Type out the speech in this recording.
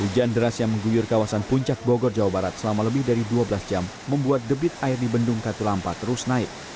hujan deras yang mengguyur kawasan puncak bogor jawa barat selama lebih dari dua belas jam membuat debit air di bendung katulampa terus naik